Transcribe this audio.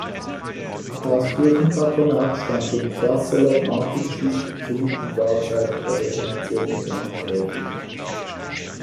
Das Kirchenpatronat stand dem Kasseler Martinsstift zu und war seit der Reformation landgräflich.